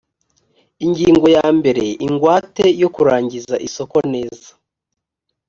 ingingo ya mbere ingwate yo kurangiza isoko neza